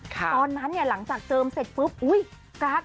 ตอนนั้นเนี่ยหลังจากเจิมเสร็จปุ๊บ